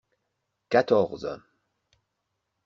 Quatorze.